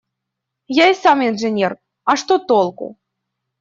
Я и сам инженер, а что толку?